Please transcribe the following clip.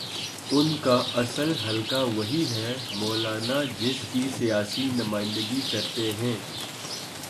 ان کا اصل حلقہ وہی ہے، مولانا جس کی سیاسی نمائندگی کرتے ہیں۔